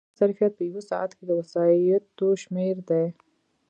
د سړک ظرفیت په یو ساعت کې د وسایطو شمېر دی